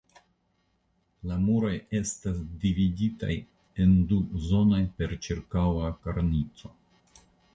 La muroj estas dividitaj en du zonojn per ĉirkaŭa kornico.